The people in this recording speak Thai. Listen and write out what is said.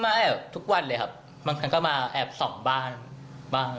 แอบทุกวันเลยครับบางครั้งก็มาแอบส่องบ้านบ้าง